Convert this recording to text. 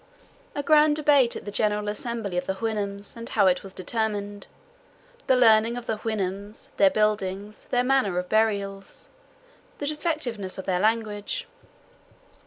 A grand debate at the general assembly of the Houyhnhnms, and how it was determined. The learning of the Houyhnhnms. Their buildings. Their manner of burials. The defectiveness of their language.